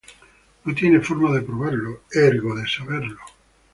No tiene forma de probarlo, "ergo" de saberlo.